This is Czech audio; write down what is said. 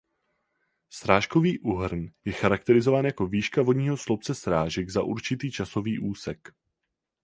Srážkový úhrn je charakterizován jako výška vodního sloupce srážek za určitý časový úsek.